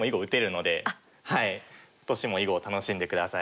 今年も囲碁を楽しんで下さい。